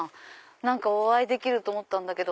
お会いできると思ったんだけど。